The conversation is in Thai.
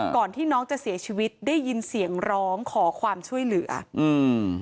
ก่อนที่น้องจะเสียชีวิตได้ยินเสียงร้องขอความช่วยเหลืออืม